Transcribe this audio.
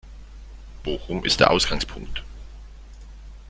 Bochum ist der Ausgangspunkt.